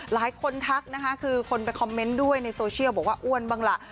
ทักนะคะคือคนไปคอมเมนต์ด้วยในโซเชียลบอกว่าอ้วนบ้างล่ะ